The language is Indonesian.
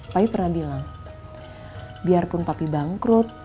pay pernah bilang biarpun papi bangkrut